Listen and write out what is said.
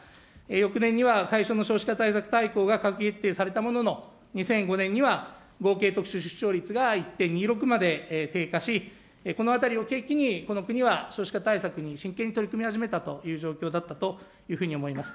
翌年には最初の少子化対策大綱が閣議決定されたものの２００５年には合計特定出生率が１．２６まで低下し、このあたりを契機にこの国は少子化対策に真剣に取り組み始めたという状況だったというふうに思います。